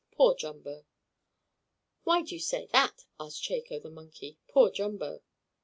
Poor Jumbo!" "Why do you say that?" asked Chako the monkey. "Poor Jumbo?"